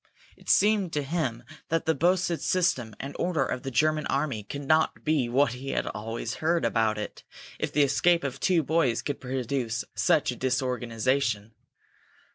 It seemed to him that the boasted system and order of the German army could not be what he had always heard about it if the escape of two boys could produce such a disorganization.